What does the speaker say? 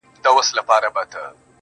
دا لا څنگه محبت شو